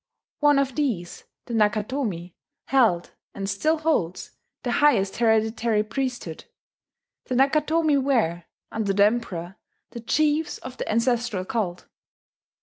One of these, the Nakatomi, held, and still holds, the highest hereditary priesthood: the Nakatomi were, under the Emperor, the chiefs of the ancestral cult.